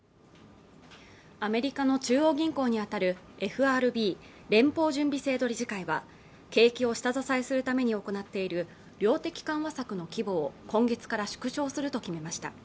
アメリカの中央銀行にあたるＦＲＢ＝連邦準備制度理事会は景気を下支えするために行っている量的緩和策の規模を今月から縮小すると決めました